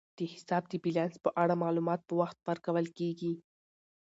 د حساب د بیلانس په اړه معلومات په وخت ورکول کیږي.